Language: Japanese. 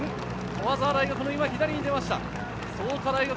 駒澤大学の左に出ました。